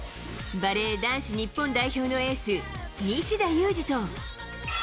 バレー男子日本代表のエース、西田有志と。